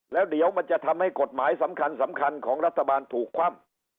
แล้วเดี๋ยวมันจะทำให้กฎหมายสำคัญสำคัญของรัฐบาลถูกคว่ำ